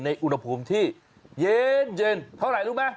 อุณหภูมิที่เย็นเท่าไหร่รู้ไหม